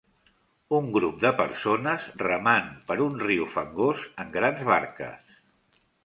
Un grup de persones remant per un riu fangós en grans barques.